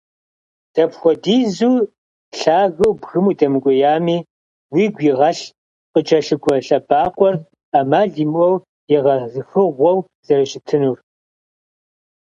Дэпхуэдизу лъагэу бгым удэмыкӏуеями уигу игъэлъ, къыкӏэлъыкӏуэ лъэбакъуэр ӏэмал имыӏэу егъэзыхыгъуэу зэрыщытынур.